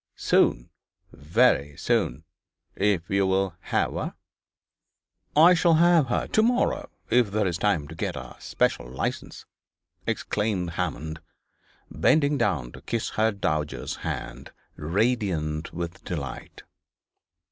Soon, very soon, if you will have her!' 'I will have her to morrow, if there is time to get a special licence,' exclaimed Hammond, bending down to kiss the dowager's hand, radiant with delight.